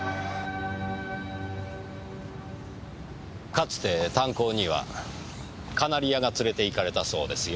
かつて炭鉱にはカナリアが連れていかれたそうですよ。